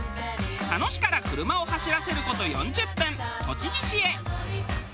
佐野市から車を走らせる事４０分栃木市へ。